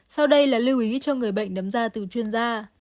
sau đây là lưu ý cho người bệnh đấm da từ chuyên gia